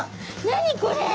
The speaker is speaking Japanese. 何これ？